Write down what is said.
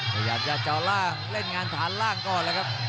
พยายามจะเจาะล่างเล่นงานฐานล่างก่อนแล้วครับ